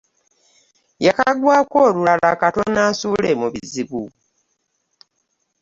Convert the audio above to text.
Yakagwako olula katono ansule mu bizizbu .